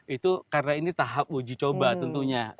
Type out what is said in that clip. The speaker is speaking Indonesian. itu karena ini tahap uji coba tentunya